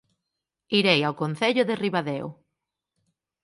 Irei ao Concello de Ribadeo